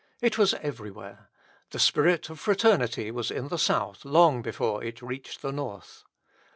It was everywhere. The spirit of fraternity was in the South long before it reached the North.